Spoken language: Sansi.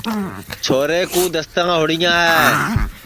چھورے کُو دستاں ہؤڑیاں ہے